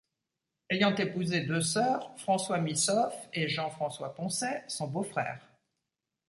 Ayant épousé deux sœurs, François Missoffe et Jean François-Poncet sont beaux-frères.